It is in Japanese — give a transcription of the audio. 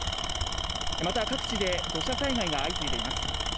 また、各地で土砂災害が相次いでいます。